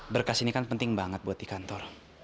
berkas ini kan penting banget buat di kantor